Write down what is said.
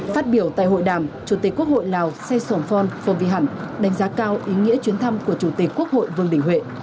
phát biểu tại hội đàm chủ tịch quốc hội lào sê sổn phong phong vy hẳn đánh giá cao ý nghĩa chuyến thăm của chủ tịch quốc hội vương đình huệ